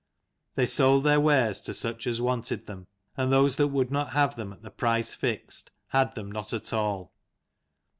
They sold their wares to such as wanted them ; and those that would not have them at the price fixed, had them not at all.